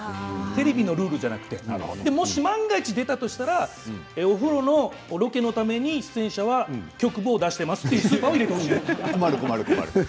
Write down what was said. テレビのルールじゃなくてもし万が一、出たとしたらお風呂のロケのために出演者は局部を出していますという困る、困る！